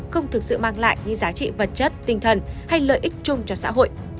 không thực sự mang lại những giá trị vật chất tinh thần hay lợi ích chung cho xã hội